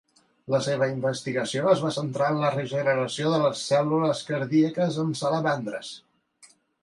La seva investigació es va centrar en la regeneració de les cèl·lules cardíaques en salamandres.